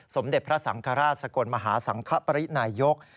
สมเด็จพระสังฆราชสกลมหาสังคปรินายก